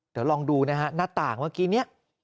เดี๋ยวลองดูนะฮะหน้าต่างเมื่อกี้นี้